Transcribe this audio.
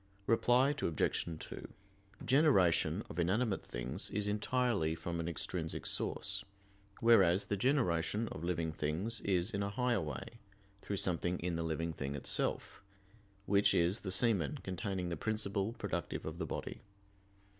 Reply Obj. 2: Generation of inanimate things is entirely from an extrinsic source; whereas the generation of living things is in a higher way, through something in the living thing itself, which is the semen containing the principle productive of the body.